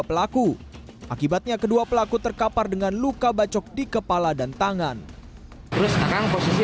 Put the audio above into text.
pelaku akibatnya kedua pelaku terkapar dengan luka bacok di kepala dan tangan terus sekarang posisi